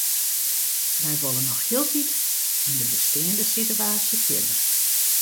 Wy wolle noch hieltyd yn de besteande sitewaasje fierder.